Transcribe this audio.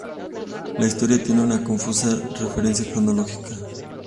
La historia tiene una confusa referencia cronológica.